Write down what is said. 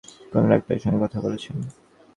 কোনো ডাক্তারের সঙ্গে কথা বলেছেন?